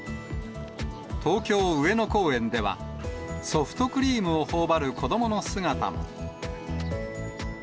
東京・上野公園では、ソフトクリームをほおばる子どもの姿も。